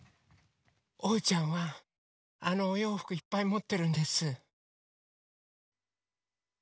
おうちゃんはあのおようふくいっぱいもってるんです。